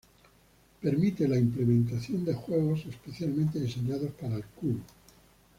Permite la implementación de juegos especialmente diseñados para el cubo.